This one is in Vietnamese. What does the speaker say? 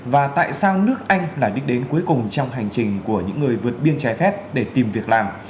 và tại sao nước anh là đích đến cuối cùng trong hành trình của những người vượt biên trái phép để tìm việc làm